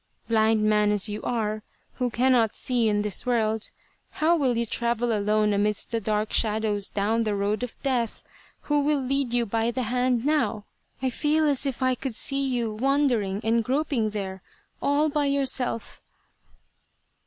Blind man as you are, who cannot see in this world, how will you travel alone amidst the dark shadows down the road of Death ? Who will lead you by the hand now ? I feel as if I could see you wandering and groping there all by yourself."